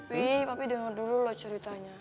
ipi papi denger dulu loh ceritanya